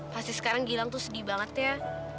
pasti sekarang gilang tuh sedih banget ya